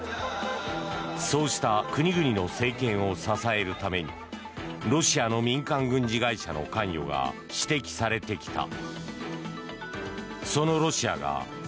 そうした国々の政権を支えるためにロシアの民間軍事会社の関与が指摘されてきた。